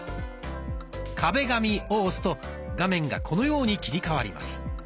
「壁紙」を押すと画面がこのように切り替わります。